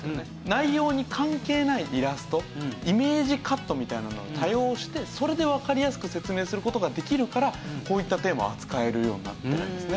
内容に関係ないイラストイメージカットみたいなのを多用してそれでわかりやすく説明する事ができるからこういったテーマを扱えるようになってるわけですね。